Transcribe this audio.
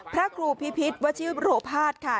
พระครูพิพิษวชิโรภาสค่ะ